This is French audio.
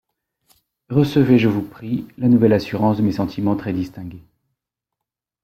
Recevez, je vous prie, la nouvelle assurance de mes sentiments très distingués.